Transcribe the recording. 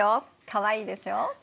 かわいいでしょ。